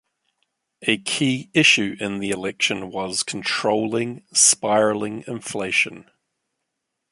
A key issue in the election was controlling spiralling inflation.